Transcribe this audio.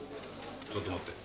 ちょっと待って。